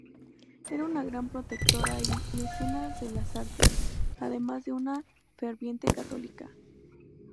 Era una gran protectora y mecenas de las artes, además de una ferviente católica.